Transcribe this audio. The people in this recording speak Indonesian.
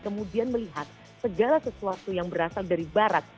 kemudian melihat segala sesuatu yang berasal dari barat